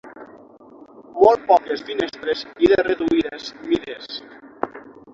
Molt poques finestres i de reduïdes mides.